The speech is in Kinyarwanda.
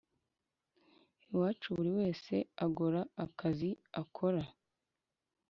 Iwacu buri wese agora akazi akora